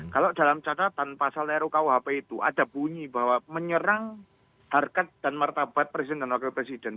kalau dalam catatan pasal rukuhp itu ada bunyi bahwa menyerang harkat dan martabat presiden dan wakil presiden